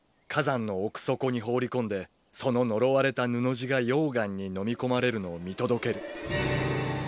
火山の奥底に放り込んでその呪われた布地が溶岩にのみ込まれるのを見届ける。